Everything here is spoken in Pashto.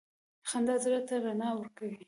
• خندا زړه ته رڼا ورکوي.